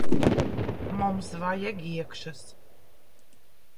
Mums vajag iekšas.